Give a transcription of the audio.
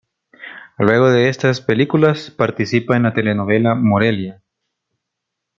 Luego de estas películas, participa en la telenovela "Morelia".